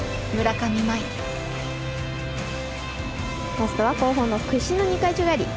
ラストは後方の屈身の２回宙返り。